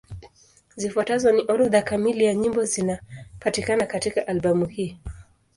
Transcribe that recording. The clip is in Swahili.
Zifuatazo ni orodha kamili ya nyimbo zinapatikana katika albamu hii.